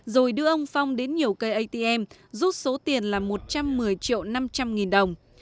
rồi đưa ông phong đến nhiều cây atm rút số tiền là một trăm một mươi triệu năm trăm linh nghìn đồng